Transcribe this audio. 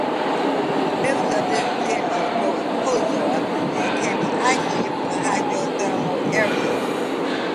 Members of this genus grow in protozoa and can be isolated from hydrothermal areas.